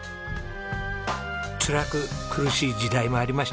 つらく苦しい時代もありました。